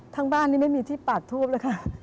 ทั้งบ้านนี่ไม่มีที่ปากทูบเลยค่ะ